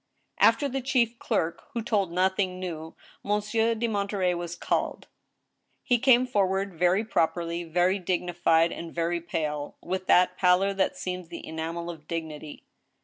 After the chief clerk, who told nothing new, Monsieur de Mon terey was called. He came forward very properly, very dignified, and very pale, with that pallor that seems the enamel of dignity.